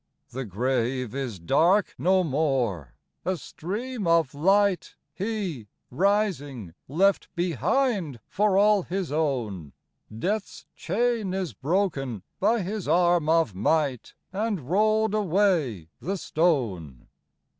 84 The grave is dark no more : a stream of light He, rising, left behind for all His own : Death's chain is broken by His arm of might, And rolled away the stone.